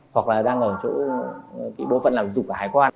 hoặc là đang ở chỗ bộ phận làm dụng cả hải quan